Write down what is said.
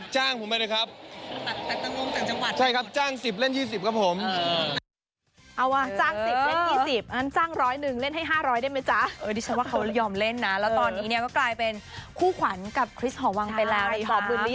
จ้างผมไหมได้ครับ